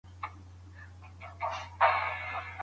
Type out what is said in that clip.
کندن کاري اسانه هنر نه دی.